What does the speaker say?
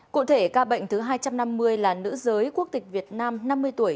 cụ thể ca bệnh thứ hai trăm năm mươi là nữ giới quốc tịch việt nam năm mươi tuổi